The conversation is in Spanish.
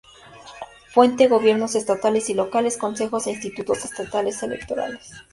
Fuente: Gobiernos estatales y locales, Consejos e institutos Estatales Electorales.